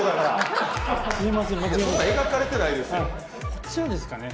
こちらですかね。